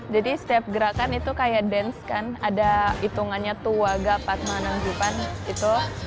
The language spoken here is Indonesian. jadi setiap gerakan itu kayak dance kan ada hitungannya dua empat lima enam jupan gitu